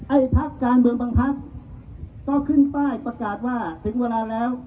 พักการเมืองบางพักก็ขึ้นป้ายประกาศว่าถึงเวลาแล้ว